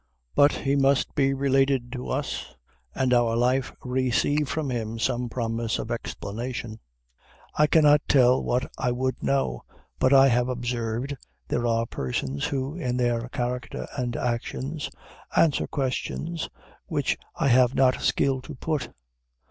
But he must be related to us, and our life receive from him some promise of explanation. I cannot tell what I would know; but I have observed there are persons who, in their character and actions, answer questions which I have not skill to put.